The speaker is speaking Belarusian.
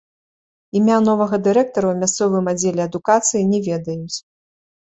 Імя новага дырэктара ў мясцовым аддзеле адукацыі не ведаюць.